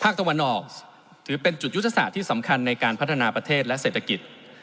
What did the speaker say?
ตะวันออกถือเป็นจุดยุทธศาสตร์ที่สำคัญในการพัฒนาประเทศและเศรษฐกิจ